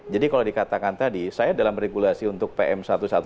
jadi kalau dikatakan tadi saya dalam regulasi untuk pm satu ratus delapan belas